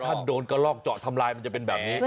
ถ้าโดนกระลอกเจาะทำลายมันจะเป็นแบบนี้